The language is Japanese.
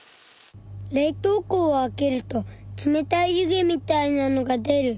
冷凍庫を開けるとつめたい湯気みたいなのが出る。